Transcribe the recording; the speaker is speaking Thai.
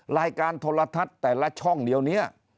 รายการโทรทัศน์แต่ละช่องเดียวนี้